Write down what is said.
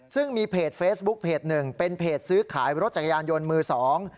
ซึ่งมีเพจเฟซบุ๊กเพจหนึ่งเป็นเพจซื้อขายรถจักรยานยนต์มือสอง